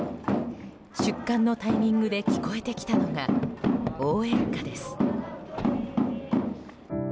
出棺のタイミングで聞こえてきたのが、応援歌です。